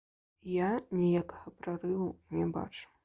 Я ніякага прарыву не бачу.